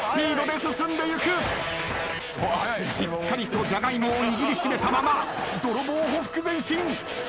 しっかりとジャガイモを握り締めたまま泥棒ほふく前進。